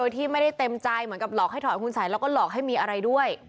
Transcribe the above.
ที่ไม่ได้เต็มใจเหมือนกับหลอกให้ถอยคุณสัยแล้วก็หลอกให้มีอะไรด้วย